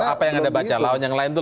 apa yang ada baca lawan yang lain tuh